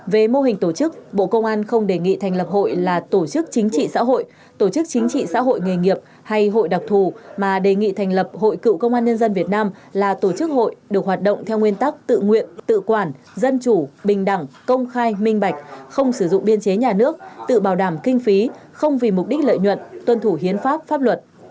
về mô hình tổ chức bộ công an không đề nghị thành lập hội là tổ chức chính trị xã hội tổ chức chính trị xã hội nghề nghiệp hay hội đặc thù mà đề nghị thành lập hội cựu công an nhân dân việt nam là tổ chức hội được hoạt động theo nguyên tắc tự nguyện tự quản dân chủ bình đẳng công khai minh bạch không sử dụng biên chế nhà nước tự bảo đảm kinh phí không vì mục đích lợi nhuận tuân thủ hiến pháp pháp luật